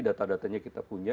data datanya kita punya